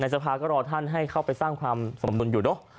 สภาก็รอท่านให้เข้าไปสร้างความสมดุลอยู่เนอะ